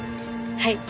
はい。